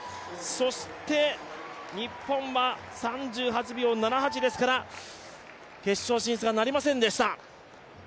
そして日本は３８秒７８ですから決勝進出がなりませんでした。